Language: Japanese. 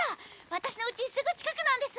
私のうちすぐ近くなんです！